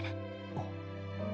あっ。